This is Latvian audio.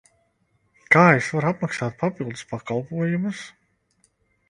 Kā es varu apmaksāt papildus pakalpojumus?